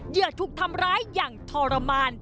เหยื่อถูกทำร้ายอย่างทรมาน